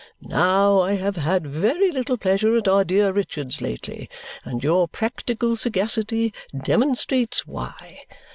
Now, I have had very little pleasure at our dear Richard's lately, and your practical sagacity demonstrates why.